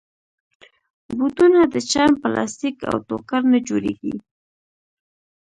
بوټونه د چرم، پلاسټیک، او ټوکر نه جوړېږي.